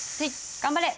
頑張れ！